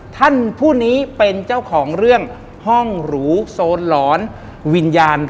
ท่านผู้นี้เป็นเจ้าของเรื่องห้องหรูโซนหลอนวิญญาณ